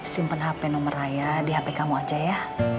simpen hp nomor raya di hp kamu aja ya